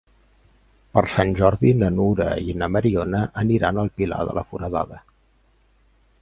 Per Sant Jordi na Nura i na Mariona aniran al Pilar de la Foradada.